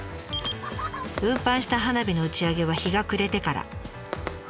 運搬した花火の打ち上げは日が暮れてから。